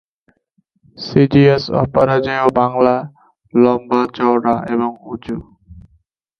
CGS Aparajeyo Bangla লম্বা, চওড়া এবং উঁচু।